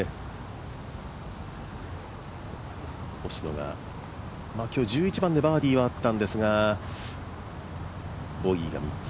星野が今日１１番でバーディーはあったんですがボギーが３つ。